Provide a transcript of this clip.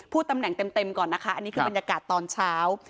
ตำแหน่งเต็มก่อนนะคะอันนี้คือบรรยากาศตอนเช้า